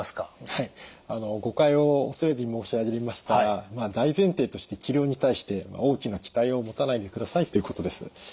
はい誤解を恐れずに申し上げましたら大前提として治療に対して大きな期待を持たないでくださいということです。